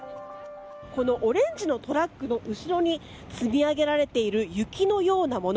このオレンジのトラックの後ろに積み上げられている雪のようなもの。